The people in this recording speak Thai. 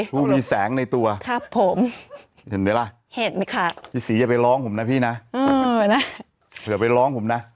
ผู้มีแสงในตัวครับผมเห็นไหมล่ะเห็นค่ะพี่ศรีอย่าไปร้องผมนะพี่นะเผื่อไปร้องผมนะ